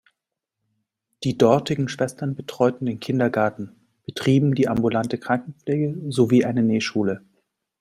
Die dortigen Schwestern betreuten den Kindergarten, betrieben die ambulante Krankenpflege sowie eine Nähschule.